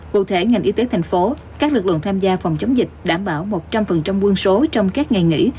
cụ thể ngành y tế thành phố các lực lượng tham gia phòng chống dịch đảm bảo một trăm linh quân số trong các ngày nghỉ